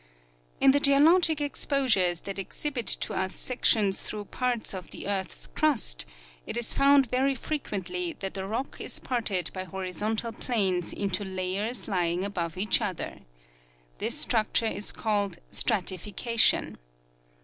In the geologic exposures that exhibit to us sections through parts of the earth's crust it is found very frequently that the rock is parted by horizontal planes into layers lying above each other. This structure is called stratification.